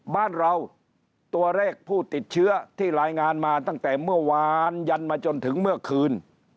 บ้านเราตัวเลขผู้ติดเชื้อที่รายงานมาตั้งแต่เมื่อวานยันมาจนถึงเมื่อคืน